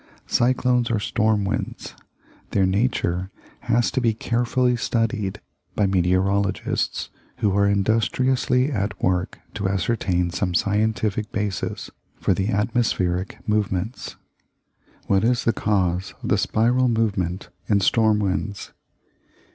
Cyclones are "storm winds." Their nature has to be carefully studied by meteorologists, who are industriously at work to ascertain some scientific basis for the atmospheric movements. What is the cause of the spiral movement in storm winds?